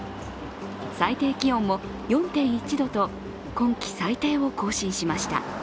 最低気温も４．１度と今季最低を更新しました。